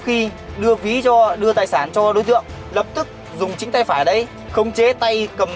khi đưa phí cho đưa tài sản cho đối tượng lập tức dùng chính tay phải đấy khống chế tay cầm